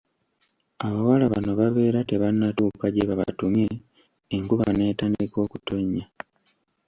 Abawala bano babeera tebannatuuka gye babatumye enkuba netandika okutonnya.